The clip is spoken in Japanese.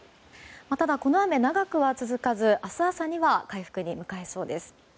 ただ、この雨、長くは続かず明日朝には回復に向かいそうです。